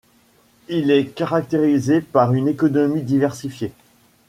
Il est caractérisé par une économie diversifiée.